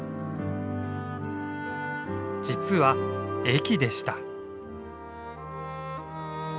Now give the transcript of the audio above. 実は駅でした。